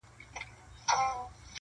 ځاي پر ځای به وي ولاړي ټولي ژرندي -